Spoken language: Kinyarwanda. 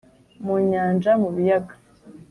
mu nyanja, mu biyaga,